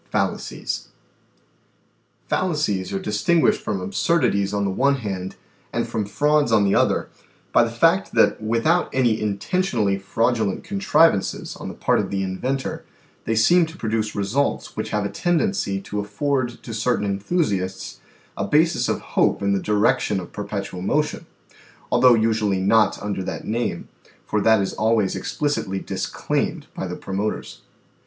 2. FALLACIES Fallacies are distinguished from absurdities on the one hand and from frauds on the other, by the fact that with out any intentionally fraudulent contrivances on the part of the inventor, they seem to produce results which have a tendency to afford to certain enthusiasts a basis of hope in the direction of perpetual motion, although usually not under that name, for that is always explicitly disclaimed by the promoters.